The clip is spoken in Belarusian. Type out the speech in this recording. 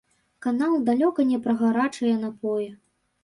Канал далёка не пра гарачыя напоі.